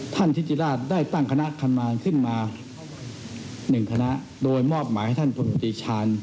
ทิศิราชได้ตั้งคณะทำงานขึ้นมา๑คณะโดยมอบหมายให้ท่านพลตรีชาญ